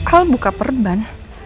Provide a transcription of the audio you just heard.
al buka perban